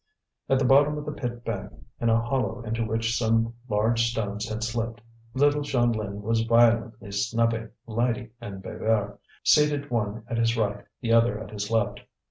At the bottom of the pit bank, in a hollow into which some large stones had slipped, little Jeanlin was violently snubbing Lydie and Bébert, seated one at his right, the other at his left.